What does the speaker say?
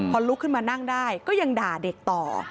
พอลุกขึ้นมานั่งได้ก็ยังด่าเด็กต่อ